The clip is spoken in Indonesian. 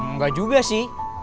nggak juga sih